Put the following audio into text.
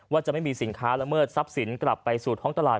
จะไม่มีสินค้าละเมิดทรัพย์สินกลับไปสู่ท้องตลาด